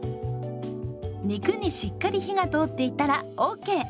肉にしっかり火が通っていたらＯＫ。